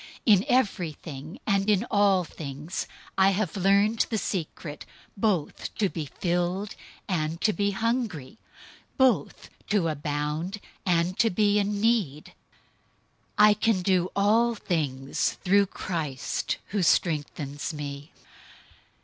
In everything and in all things I have learned the secret both to be filled and to be hungry, both to abound and to be in need. 004:013 I can do all things through Christ, who strengthens me.